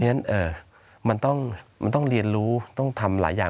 เพราะฉะนั้นเอ่อมันต้องมันต้องเรียนรู้ต้องทำหลายอย่าง